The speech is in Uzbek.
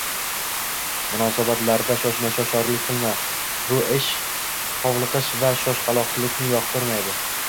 Munosabatlarda shoshma-shosharlik qilma. Bu ish xovliqish va shoshqaloqlikni yoqtirmaydi.